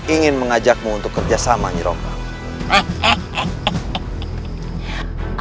ingin mengajakmu untuk kerjasama nyeroga